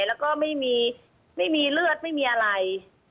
แล้วก็ไม่มีเลือดไม่มีอะไร